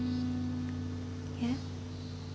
えっ？